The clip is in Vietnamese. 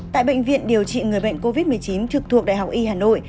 tại bệnh viện điều trị người bệnh covid một mươi chín trực thuộc đại học y hà nội